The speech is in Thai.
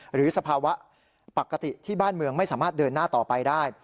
สภาวะปกติที่บ้านเมืองไม่สามารถเดินหน้าต่อไปได้